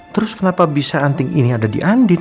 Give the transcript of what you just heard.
terus kenapa bisa anting ini ada di andin